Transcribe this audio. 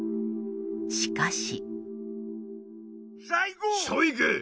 しかし。